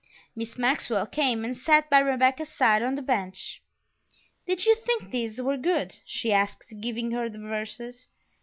Miss Maxwell came and sat by Rebecca's side on the bench. "Did you think these were good?" she asked, giving her the verses.